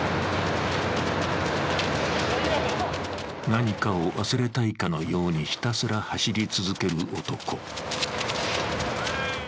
何かを忘れたいかのようにひたすら走り続ける男。